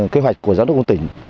kế hoạch của giám đốc quốc tỉnh